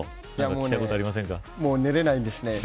もう寝れないですね。